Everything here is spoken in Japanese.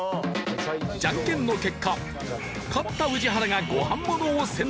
じゃんけんの結果勝った宇治原がご飯ものを選択。